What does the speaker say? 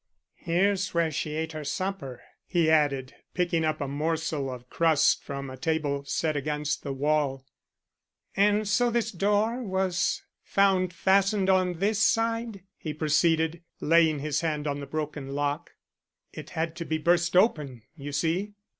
"Here's where she ate her supper," he added, picking up a morsel of crust from a table set against the wall. "And so this door was found fastened on this side?" he proceeded, laying his hand on the broken lock. "It had to be burst open, you see."